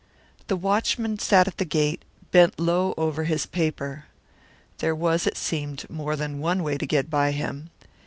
The watchman sat at the gate, bent low over his paper. There was, it seemed, more than one way to get by him.